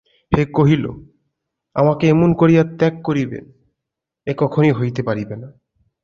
সে কহিল, আমাকে এমন করিয়া ত্যাগ করিবেন এ কখনোই হইতে পারিবে না।